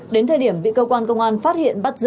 đến thời điểm bị cơ quan công an phát hiện bắt giữ